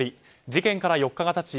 事件から４日が経ち